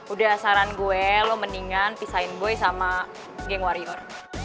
udah saran gue lo mendingan pisain boy sama geng warrior